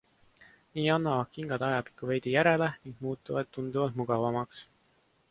Nii annavad kingad ajapikku veidi järele ning muutuvad tunduvalt mugavamaks.